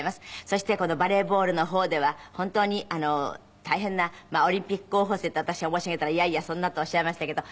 そしてバレーボールの方では本当に大変なオリンピック候補生と私が申し上げたら「いやいやそんな」とおっしゃいましたけど。